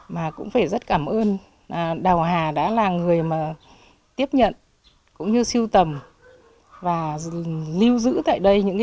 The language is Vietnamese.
mà cũng phải rất cảm ơn đào hà đã là người mà tiếp nhận cũng như siêu tầm và lưu giữ tại đây những cái